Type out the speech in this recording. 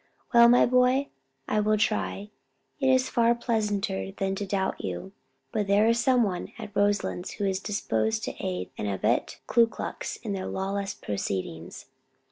"Well, my boy, I will try: it is far pleasanter than to doubt you. But there is some one at Roselands who is disposed to aid and abet the Ku Klux in their lawless proceedings."